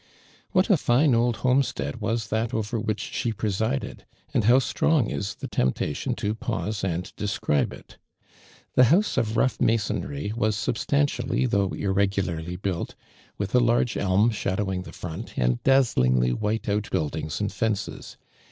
What a fine old homestead was that over which she presided, and how strong is the temptation to pause and describe it. The house of rough masonry, was substantially though irregularly built, with a large elm shadowing the front, and dazzlingly white outbuildings and fences.